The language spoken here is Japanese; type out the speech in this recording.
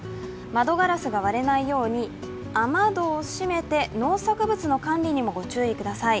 窓ガラスが割れないように雨戸を閉めて農作物の管理にもご注意ください。